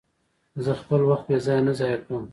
زه خپل وخت بې ځایه نه ضایع کوم.